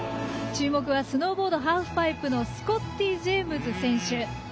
注目はスノーボード・ハーフパイプのスコッティ・ジェームズ選手。